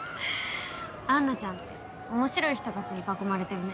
アンナちゃんって面白い人たちに囲まれてるね。